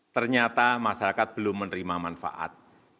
ternyata masyarakat belum menerima manfaat